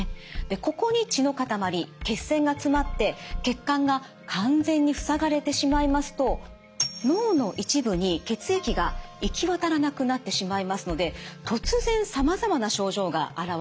ここに血のかたまり血栓が詰まって血管が完全に塞がれてしまいますと脳の一部に血液が行き渡らなくなってしまいますので突然さまざまな症状が現れるんです。